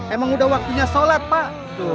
emang udah waktunya sholat pak